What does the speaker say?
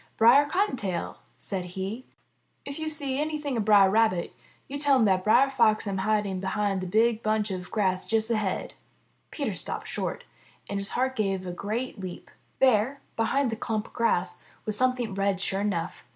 '*Brer Cottontail/' said he, *'if yo' see anything of Brer Rabbit, yo' tell him that Brer Fox am hiding behind the big bunch of grass just ahead." Peter stopped short, and his heart gave a great leap. There, behind the clump of grass, was some thing red, sure enough.